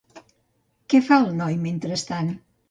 Què fa el noi mentrestant?